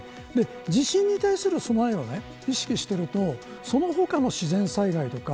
地震に対する備えは意識しているとその他の自然災害とか